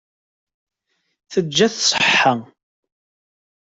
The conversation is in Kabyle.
Teǧǧa-t ṣṣeḥḥa.